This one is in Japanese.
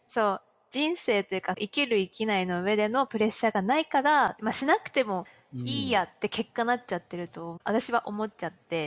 人生というか生きる生きないのうえでのプレッシャーがないからしなくてもいいやって結果なっちゃってると私は思っちゃって。